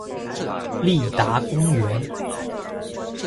立达公园。